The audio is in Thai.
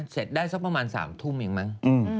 เสร็จได้สักประมาณ๓ทุ่มเองมั้ง